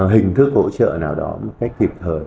hình thức hỗ trợ nào đó một cách thiệt hợi